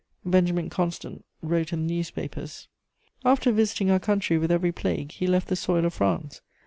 Benjamin Constant wrote in the newspapers: "After visiting our country with every plague, he left the soil of France.